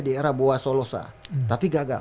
di era boa solosa tapi gagal